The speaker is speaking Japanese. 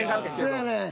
そやねん。